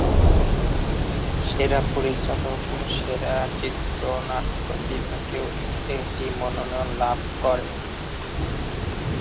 সেরা পরিচালক ও সেরা চিত্রনাট্য বিভাগেও এটি মনোনয়ন লাভ করে।